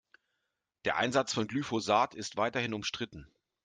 Der Einsatz von Glyphosat ist weiterhin umstritten.